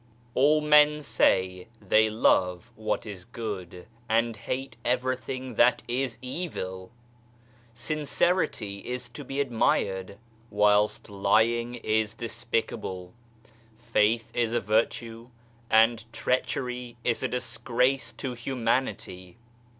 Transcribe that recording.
All men say they love 72 ACTION what is good, and hate everything that is evil ! Sin cerity is to be admired, whilst lying is despicable. Faith is a virtue, and treachery is a disgrace to humanity.